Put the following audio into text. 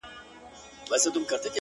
د هر تورى لړم سو ! شپه خوره سوه خدايه!